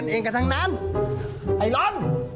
ผมก็ฆ่ามันให้ตายเลย